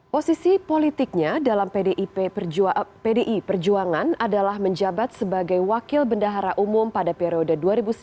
posisi politiknya dalam pdi perjuangan adalah menjabat sebagai wakil bendahara umum pada periode dua ribu sembilan belas dua ribu dua puluh